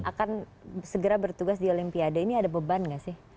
akan segera bertugas di olimpiade ini ada beban nggak sih